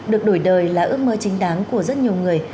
được đổi đời là ước mơ chính đáng của rất nhiều người